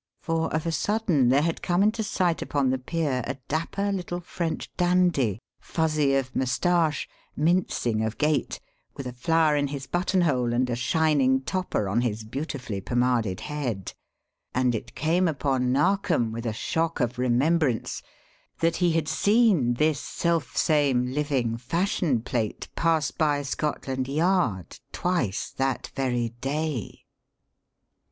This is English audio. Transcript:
For of a sudden there had come into sight upon the pier a dapper little French dandy, fuzzy of moustache, mincing of gait, with a flower in his buttonhole and a shining "topper" on his beautifully pomaded head; and it came upon Narkom with a shock of remembrance that he had seen this selfsame living fashion plate pass by Scotland Yard twice that very day!